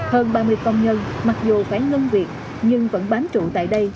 hơn ba mươi công nhân mặc dù phải ngân việc nhưng vẫn bán trụ tại đây